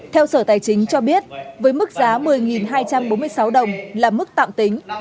theo sở tài chính cho biết với mức giá một mươi hai trăm bốn mươi sáu đồng là mức tạm tính